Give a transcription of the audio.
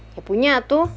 ya punya tuh